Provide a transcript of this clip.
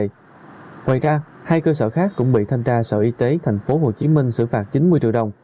ngoài ra hai cơ sở khác cũng bị thanh tra sở y tế tp hcm xử phạt chín mươi triệu đồng